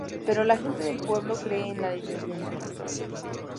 Pero la gente del pueblo cree en la leyenda.